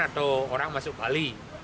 atau orang masuk bali